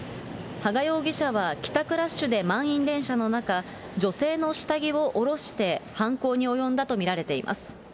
羽賀容疑者は帰宅ラッシュで満員電車の中、女性の下着をおろして犯行に及んだと見られています。